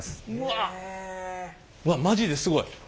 わっマジですごい。